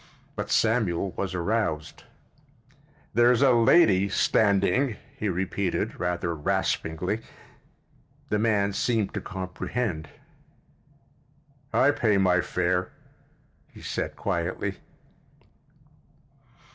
But Samuel was aroused. "There's a lady standing," he repeated, rather raspingly. The man seemed to comprehend. "I pay my fare," he said quietly.